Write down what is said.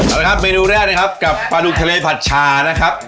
เอาละครับเมนูแรกนะครับกับปลาดุกทะเลผัดชานะครับ